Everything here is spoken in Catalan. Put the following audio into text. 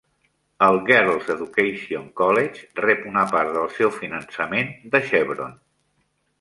El Girls Education College rep una part del seu finançament de Chevron.